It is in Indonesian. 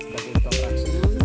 bagi ketua praksi